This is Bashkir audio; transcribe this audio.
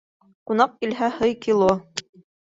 Ҡунаҡ килһә, һый кило.